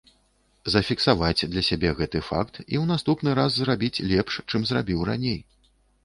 Зафіксаваць для сябе гэты факт і ў наступны раз зрабіць лепш, чым зрабіў раней.